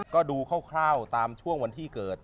ก็ดูคร่าวตามช่วงวันที่เกิด